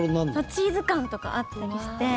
チーズ感とかあったりして。